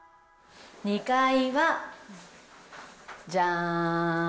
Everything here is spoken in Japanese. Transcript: ２階は、じゃん！